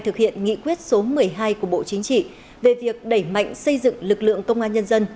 thực hiện nghị quyết số một mươi hai của bộ chính trị về việc đẩy mạnh xây dựng lực lượng công an nhân dân